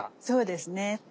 そうですね。